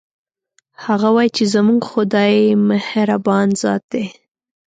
هغه وایي چې زموږ خدایمهربان ذات ده